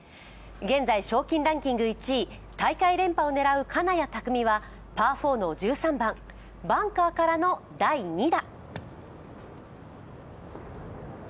現在、賞金ランキング１位、大会連覇を狙う金谷拓実はパー４の１３番、バンカーからの第２打。